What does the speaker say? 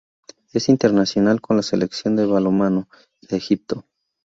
Es internacional con la selección de balonmano de Egipto.